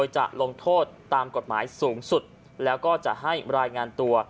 จะลงโทษตามกฎหมายสูงสุดแล้วก็จะให้รายงานตัว